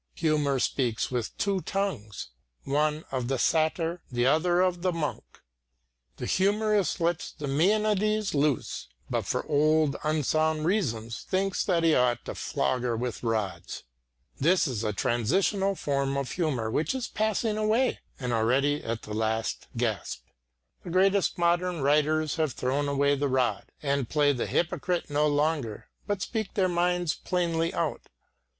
Humour speaks with two tongues, one of the satyr, the other of the monk. The humorist lets the mænad loose, but for old unsound reasons thinks that he ought to flog her with rods. This is a transitional form of humour which is passing away, and already at the last gasp. The greatest modern writers have thrown away the rod, and play the hypocrite no longer, but speak their minds plainly out.